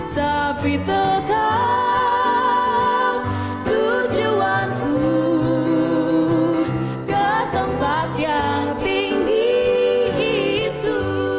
tapi tetap berjuangku ke tempat yang tinggi itu